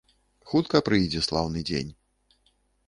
Хутка прыйдзе слаўны дзень.